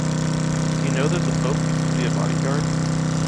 Did you know that the pope used to be a bodyguard?